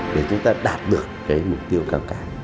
để chúng ta đạt được cái mục tiêu cao cả